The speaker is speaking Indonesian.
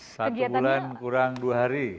satu bulan kurang dua hari